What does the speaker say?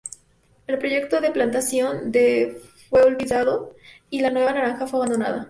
El proyecto de plantación de fue olvidado, y la nueva naranja fue abandonada.